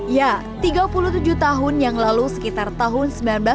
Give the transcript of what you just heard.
ya tiga puluh tujuh tahun yang lalu sekitar tahun seribu sembilan ratus sembilan puluh